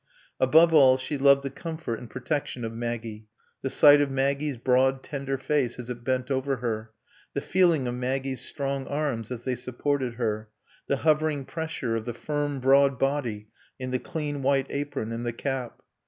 Above all she loved the comfort and protection of Maggie, the sight of Maggie's broad, tender face as it bent over her, the feeling of Maggie's strong arms as they supported her, the hovering pressure of the firm, broad body in the clean white apron and the cap.